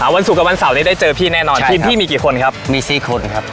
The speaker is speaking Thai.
อ่าวันสุกกับวันเสาร์เนี้ยได้เจอพี่แน่นอนใช่ครับทีมพี่มีกี่คนครับมีสี่คนครับ